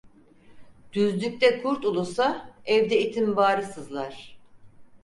Düzlükte kurt ulusa, evde itin bağrı sızlar.